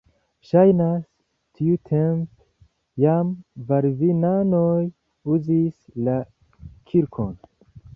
Ŝajnas, tiutempe jam kalvinanoj uzis la kirkon.